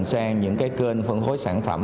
sang những cái kênh phân hối sản phẩm